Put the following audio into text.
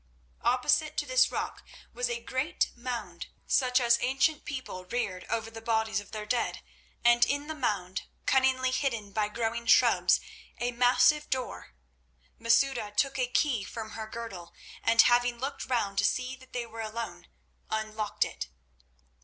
Opposite to this rock was a great mound such as ancient peoples reared over the bodies of their dead, and in the mound, cunningly hidden by growing shrubs, a massive door. Masouda took a key from her girdle, and, having looked around to see that they were alone, unlocked it.